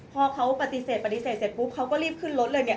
พอเขาปฏิเสธปฏิเสธเสร็จปุ๊บเขาก็รีบขึ้นรถเลยเนี่ย